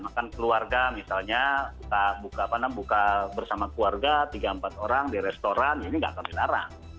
makan keluarga misalnya kita buka bersama keluarga tiga empat orang di restoran ini nggak kami larang